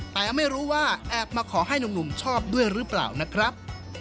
แต่ไม่รู้ว่าแอบมาขอให้หนุ่มชอบด้วยหรือเปล่านะครับ